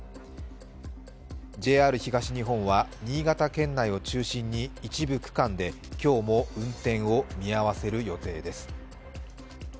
ＪＲ東日本は新潟県内を中心に一部区間で今日も運転を見合わせる予定です。